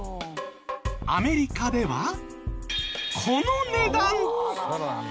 アメリカではこの値段！